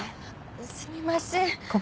すみません。